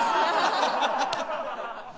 ハハハハ！